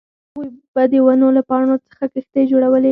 هغوی به د ونو له پاڼو څخه کښتۍ جوړولې